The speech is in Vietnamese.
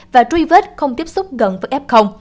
và truy vết không tiếp xúc gần với f